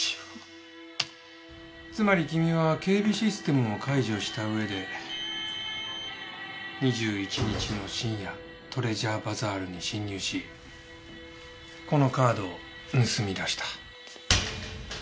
つまり君は警備システムも解除した上で２１日の深夜トレジャーバザールに侵入しこのカードを盗み出した。